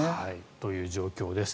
という状況です。